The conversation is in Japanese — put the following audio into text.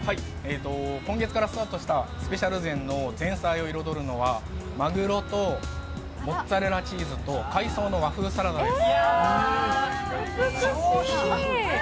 今月からスタートしたスペシャル膳の前菜を彩るのはマグロとモッツァレラと海藻の和風サラダです